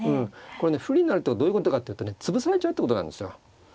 これね不利になるとはどういうことかというとね潰されちゃうってことなんですよ。